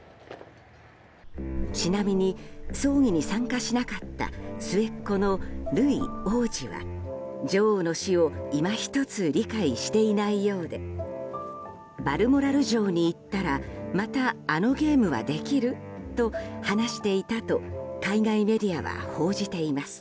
ちなみに葬儀に参加しなかった末っ子のルイ王子は女王の死をいま一つ理解していないようでバルモラル城に行ったらまたあのゲームはできる？と話していたと海外メディアは報じています。